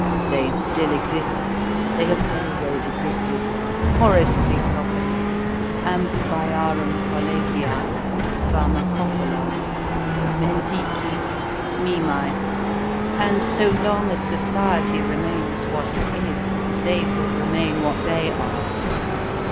They still exist. They have always existed. Horace speaks of them: Ambubaiarum collegia, pharmacopolæ, mendici, mimæ; and so long as society remains what it is, they will remain what they are.